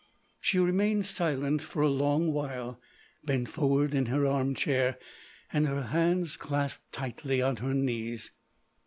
She remained silent for a long while, bent forward in her armchair, and her hands clasped tightly on her knees.